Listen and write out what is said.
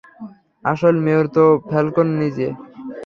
আসল মেয়র তো ফ্যালকোন নিজে।